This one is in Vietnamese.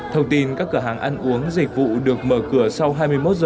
thông tin các cửa hàng ăn uống dịch vụ được mở cửa sau hai mươi một h